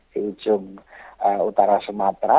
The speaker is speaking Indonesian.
di ujung utara sumatera